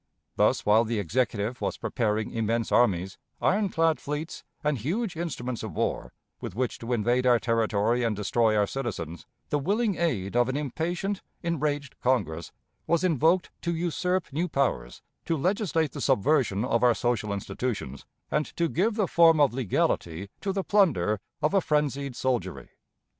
Thus, while the Executive was preparing immense armies, iron clad fleets, and huge instruments of war, with which to invade our territory and destroy our citizens, the willing aid of an impatient, enraged Congress was invoked to usurp new powers, to legislate the subversion of our social institutions, and to give the form of legality to the plunder of a frenzied soldiery.